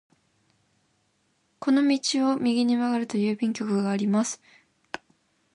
この道を右に曲がると郵便局があります。